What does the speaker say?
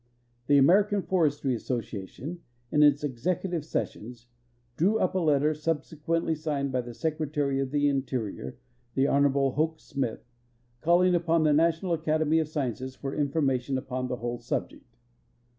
The American Forestry Asso ciation, in its executive sessions, drew up a letter, subsequently signed by the Secretaiy of the Interior, the Hon. Hoke Smith, calling upon the National Academy of Sciences for information upon the whole subject.